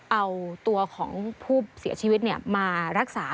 เอาตัวของผู้เสียชีวิตมารักษา